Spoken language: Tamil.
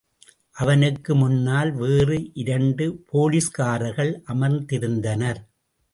அவனுக்கு முன்னால் வேறு இரண்டு போலிஸ்காரர்கள் அமர்ந்திருந்தனர்.